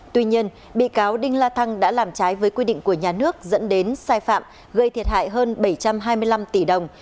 tuy nhiên bị cáo đinh la thăng đã làm trái với quy định của nhà nước dẫn đến sai phạm gây thiệt hại hơn bảy trăm hai mươi năm tỷ đồng